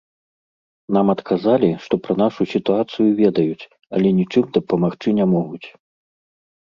Нам адказалі, што пра нашу сітуацыю ведаюць, але нічым дапамагчы не могуць.